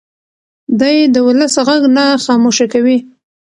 دی د ولس غږ نه خاموشه کوي.